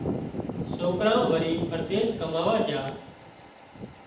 سوڪران وري پرديس ڪماوا جھا